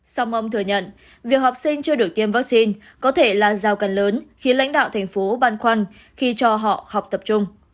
sau mong thừa nhận việc học sinh chưa được tiêm vaccine có thể là giao cân lớn khiến lãnh đạo thành phố băn khoăn khi cho họ học tập trung